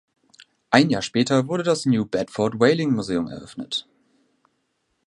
Ein Jahr später wurde das New Bedford Whaling Museum eröffnet.